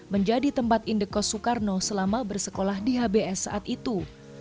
menjadi tempat indekos soekarno selama bersekolah di hbs saat itu